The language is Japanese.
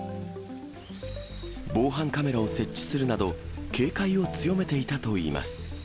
防犯カメラを設置するなど、警戒を強めていたといいます。